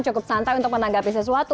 cukup santai untuk menanggapi sesuatu